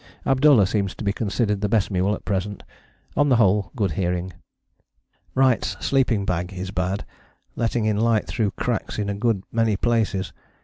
Abdullah seems to be considered the best mule at present. On the whole good hearing. Wright's sleeping bag is bad, letting in light through cracks in a good many places.